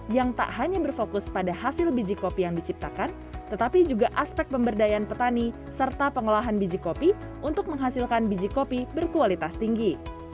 yang tak hanya berfokus pada hasil biji kopi yang diciptakan tetapi juga aspek pemberdayaan petani serta pengolahan biji kopi untuk menghasilkan biji kopi berkualitas tinggi